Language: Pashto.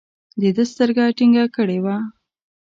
ده سترګه ټينګه کړې وه.